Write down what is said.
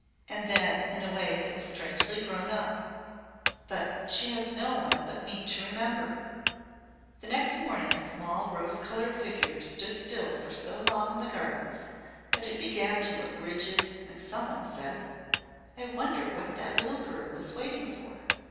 Then, in a way that was strangely grown up: "She has no one but me to remember." The next morning a small, rose coloured figure stood still for so long in the gardens that it began to look rigid and some one said, "I wonder what that little girl is waiting for."